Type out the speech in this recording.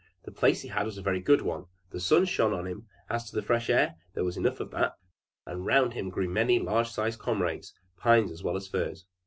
The place he had was a very good one: the sun shone on him: as to fresh air, there was enough of that, and round him grew many large sized comrades, pines as well as firs.